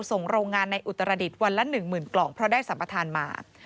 ส่งโรงงานในอุตรดิษฐ์วันละหนึ่งหมื่นกล่องเพราะได้สรรพทานมา